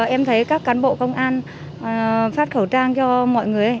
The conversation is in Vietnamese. em thấy các cán bộ công an phát khẩu trang cho mọi người